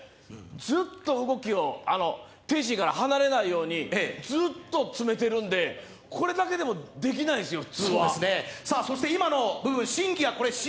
ずっと動きを、天心から離れないようにずっと詰めてるんで、これだけでも普通はできないですよ。